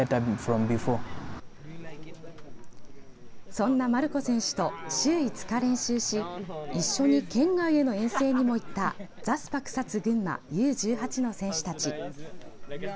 そんなマルコ選手と週５日、練習し一緒に県外への遠征にも行ったザスパクサツ群馬Ｕ‐１８の選手たち。